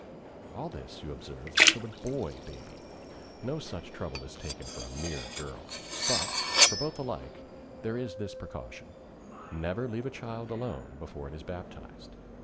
All this, you observe, for the boy baby. No such trouble is taken for a mere girl. But, for both alike, there is this precaution: never leave a child alone before it is baptized.